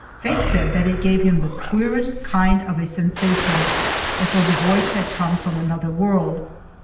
Faye said that it gave him the queerest kind of a sensation, as though the voice had come from another world.